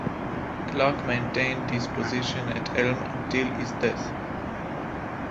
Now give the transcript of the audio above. Clarke maintained this position at Elm until his death.